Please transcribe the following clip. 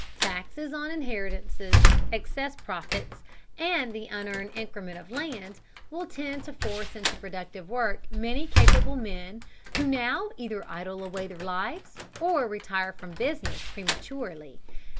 Taxes on inheritances, excess profits, and the unearned increment of land will tend to force into productive work many capable men who now either idle away their lives, or retire from business prematurely.